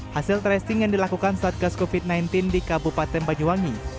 hasil tracing yang dilakukan satgas covid sembilan belas di kabupaten banyuwangi